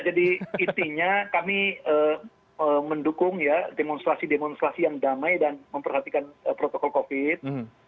jadi intinya kami mendukung ya demonstrasi demonstrasi yang damai dan memperhatikan protokol covid